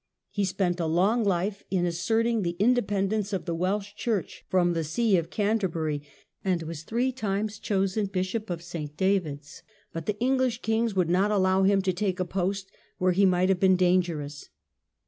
He spent a long life in asserting the independence of the Welsh church from the see of CanterBury, and was three times chosen Bishop of S. David's; but the English kings would not allow him to take a post where he might have been dangerous.